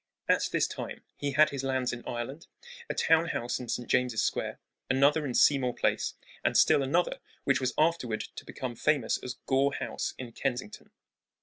At this time he had his lands in Ireland, a town house in St. James's Square, another in Seymour Place, and still another which was afterward to become famous as Gore House, in Kensington.